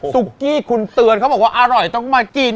กี้คุณเตือนเขาบอกว่าอร่อยต้องมากิน